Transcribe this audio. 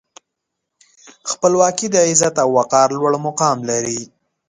خپلواکي د عزت او وقار لوړ مقام لري.